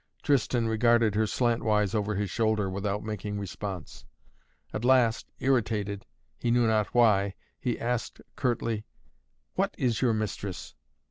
Tristan regarded her slantwise over his shoulder, without making response. At last, irritated, he knew not why, he asked curtly: "What is your mistress?"